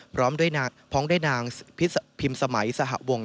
พร้อมด้วยนางพิมพิมสมัยสหวง